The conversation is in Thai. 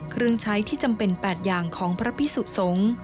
เครื่องใช้ที่จำเป็น๘อย่างของพระพิสุสงฆ์